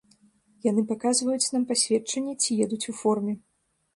Яны паказваюць нам пасведчанне ці едуць у форме.